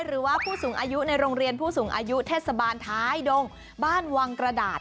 หรือว่าผู้สูงอายุในโรงเรียนผู้สูงอายุเทศบาลท้ายดงบ้านวังกระดาษ